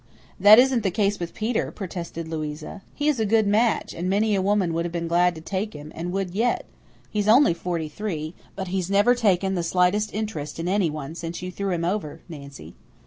"That isn't the case with Peter," protested Louisa. "He is a good match, and many a woman would have been glad to take him, and would yet. He's only forty three. But he's never taken the slightest interest in anyone since you threw him over, Nancy."